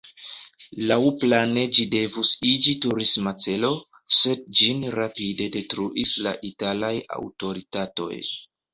Laŭplane ĝi devus iĝi turisma celo, sed ĝin rapide detruis la italaj aŭtoritatoj.